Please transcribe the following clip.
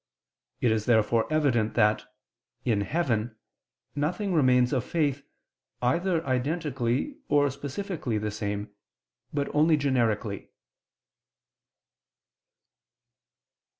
It is therefore evident that, in heaven, nothing remains of faith, either identically or specifically the same, but only generically.